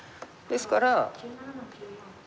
ですから。